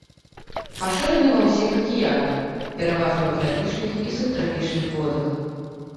Пашыраны ва ўсіх акіянах, пераважна ў трапічных і субтрапічных водах.